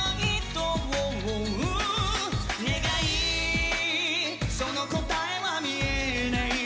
「願いその答えは見えない」